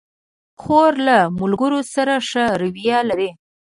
خور له ملګرو سره ښه رویه لري.